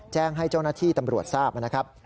แจ้งให้เจ้าหน้าที่ตำรวจทราบนะครับ